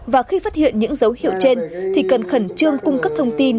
và khi phát hiện những dấu hiệu trên thì cần khẩn trương cung cấp thông tin